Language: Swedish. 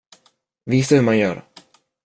Visa hur man gör.